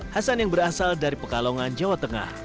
hasan yang berasal dari pekalongan jawa tengah